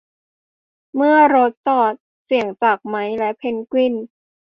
เมื่อรถจอด เสียงจากไมค์และเพนกวิน